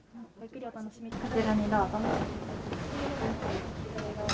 こちらにどうぞ。